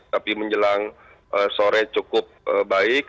tapi menjelang sore cukup baik